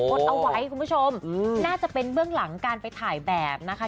ดเอาไว้คุณผู้ชมน่าจะเป็นเบื้องหลังการไปถ่ายแบบนะคะ